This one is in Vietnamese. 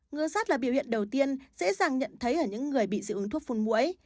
ngừa sát là biểu hiện đầu tiên dễ dàng nhận thấy ở những người bị dị ứng thuốc phun mũi